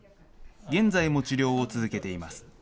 現在も治療を続けています。